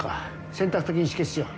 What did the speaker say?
選択的に止血しよう。